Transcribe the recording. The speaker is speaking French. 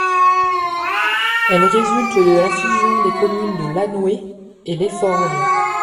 Elle résulte de la fusion des communes de Lanouée et Les Forges.